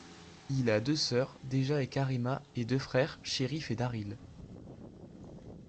Il a deux sœurs, Deja et Karima, et deux frères, Shareef et Darryl.